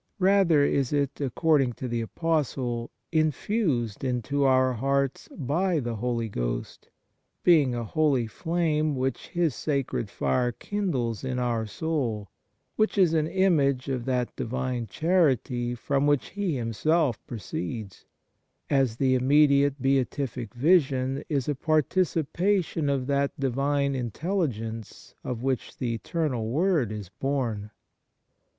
Rather is it, according to the Apostle, infused into our hearts by the Holy Ghost, being a holy flame which His sacred fire kindles in our soul, which is an image of that Divine charity from which He Himself proceeds, as the immediate beatific vision is a participation of that Divine intelli gence of which the Eternal Word is born.